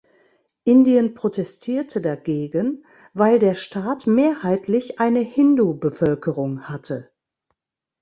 Indien protestierte dagegen, weil der Staat mehrheitlich eine Hindu-Bevölkerung hatte.